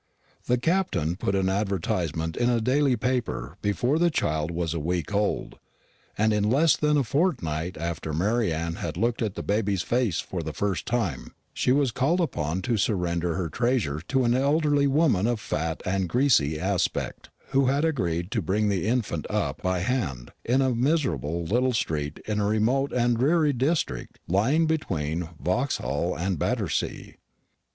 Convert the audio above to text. The Captain put an advertisement in a daily paper before the child was a week old; and in less than a fortnight after Mary Anne had looked at the baby face for the first time, she was called upon to surrender her treasure to an elderly woman of fat and greasy aspect, who had agreed to bring the infant up "by hand" in a miserable little street in a remote and dreary district lying between Vauxhall and Battersea.